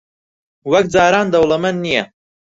وەک جاران دەوڵەمەند نییە.